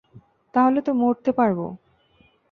তাহলে তো মরতে পারবো।